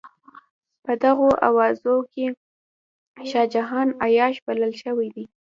په دغو اوازو کې شاه جهان عیاش بلل شوی دی.